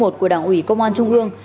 của đảng ủy công an trung ương